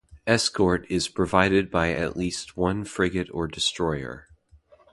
Escort is provided by at least one frigate or destroyer.